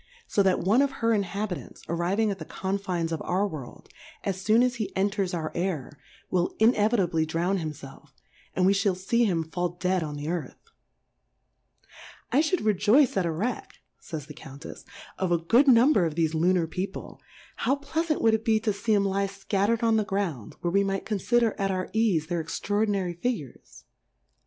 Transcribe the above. So that one of her Inhabitants arriv^ig at the Confines of our World, as foon as he enters our Air, will inevitably drown himfelf, and we fhall fee him fall dead on the Earth, I fhould rejoice at a Wreck, fays the Countefsy of a good Number of thefe Ltinar People, how pleafant wouM it be to fee 'em lie fcatterM on the Ground, where we might confider at our eafe, their extraordinary Figures